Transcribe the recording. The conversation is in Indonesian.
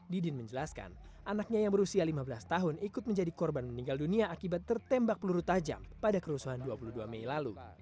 didin menjelaskan anaknya yang berusia lima belas tahun ikut menjadi korban meninggal dunia akibat tertembak peluru tajam pada kerusuhan dua puluh dua mei lalu